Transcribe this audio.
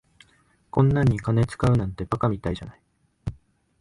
こんなんに金使うなんて馬鹿みたいじゃない。